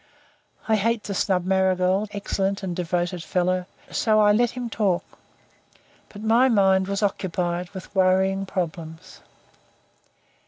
I hate to snub Marigold, excellent and devoted fellow, so I let him talk; but my mind was occupied with worrying problems.